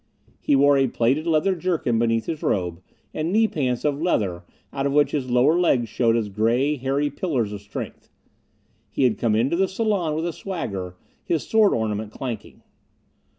He wore a plaited leather jerkin beneath his robe, and knee pants of leather out of which his lower legs showed as gray, hairy pillars of strength. He had come into the salon with a swagger, his sword ornament clanking.